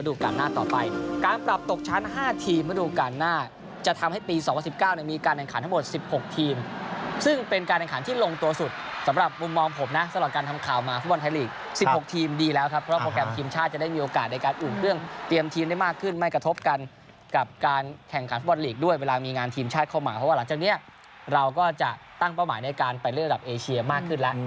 ด้วยเวลามีงานทีมชาติเข้ามาเพราะว่าหลังจากนี้เราก็จะตั้งเป้าหมายในการไปเรื่องระดับเอเชียมากขึ้นแล้ว